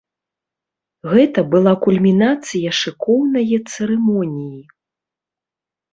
Гэта была кульмінацыя шыкоўнае цырымоніі.